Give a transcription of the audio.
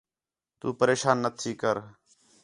تُو پریشان نہ تھی کر